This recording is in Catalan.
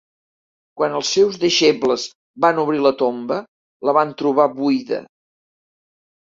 Quan els seus deixebles van obrir la tomba, la van trobar buida.